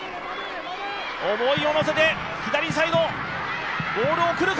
思いを乗せて左サイド、ボールを送るか。